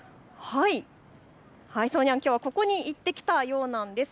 そうにゃん、きょうはここに行ってきたようなんです。